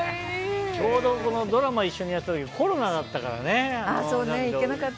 ちょうどドラマ一緒にやっていた時コロナだったからね。